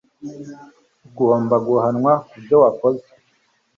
ugomba guhanwa kubyo wakoze